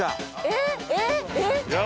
えっ！